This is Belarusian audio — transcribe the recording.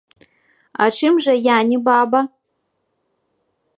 А чым жа я не баба?